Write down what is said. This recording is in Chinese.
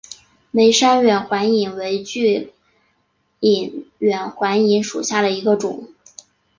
梅山远环蚓为巨蚓科远环蚓属下的一个种。